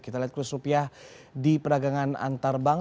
kita lihat kursus rupiah di peragangan antar bank